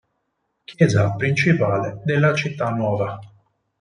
Chiesa principale della città nuova.